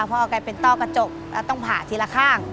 พอกลายเป็นต้อกระจกแล้วต้องผ่าทีละข้าง